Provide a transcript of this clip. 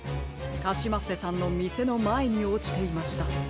カシマッセさんのみせのまえにおちていました。